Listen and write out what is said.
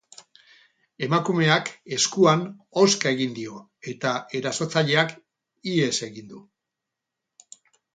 Emakumeak eskuan hozka egin dio, eta erasotzaileak ihes egin du.